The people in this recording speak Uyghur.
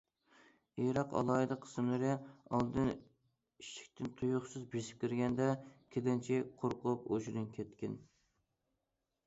ئىراق ئالاھىدە قىسىملىرى ئالدى ئىشىكتىن تۇيۇقسىز بېسىپ كىرگەندە كېلىنچەك قورقۇپ ھوشىدىن كەتكەن.